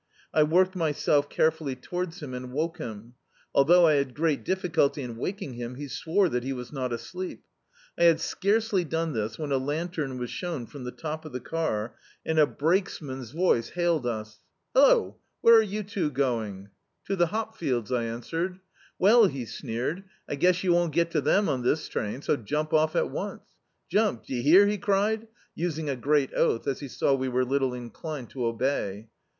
I worked myself carefully to wards him and woke him. Although I had great dif ficulty in waking him, he swore that he was not asleep. I had scarcely done this when a lantern was ^own from the top of the car, and a brakesman's [49l D,i.,.db, Google The Autobiography of a Super Tramp v<Mce hailed us. "Hallo, where are you two going?" 'To the hop fields," I answered. "Weil," he sneered, "I guess you won't get to them on this train, so jump off, at once. Jump! d'ye hear?" he cried, using a great oath, as he saw we were little inclined to obey.